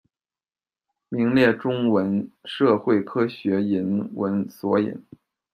名列中文社会科学引文索引。